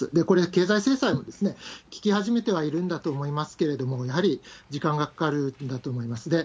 これ、経済制裁も効き始めてはいるんだと思いますけれども、やはり時間がかかるんだと思います。